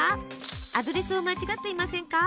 アドレスを間違っていませんか？